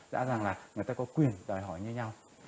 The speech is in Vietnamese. rõ ràng là người ta có quyền đòi hỏi như nhau